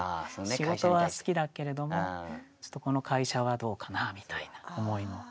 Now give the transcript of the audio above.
仕事は好きだけれどもちょっとこの会社はどうかなみたいな思いも。